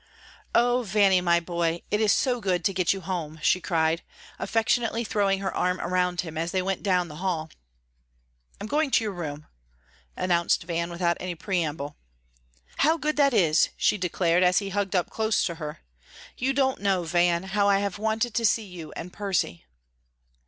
"Oh, Vanny, my boy, it is so good to get you home," she cried, affectionately throwing her arm around him, as they went down the hall. "I'm going to your room," announced Van, without any preamble. "How good that is," she declared as he hugged up close to her. "You don't know, Van, how I have wanted to see you and Percy."